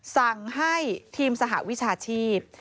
สั่งให้ทีมสหวิชาชีพ